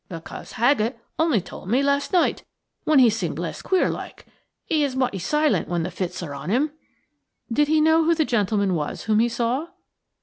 "Because Haggett only told me last night, when he seemed less queer like. He is mighty silent when the fits are on him." "Did he know who the gentleman was whom he saw?"